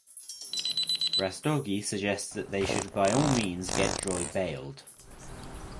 Rastogi suggests that they should by all means get Joy bailed.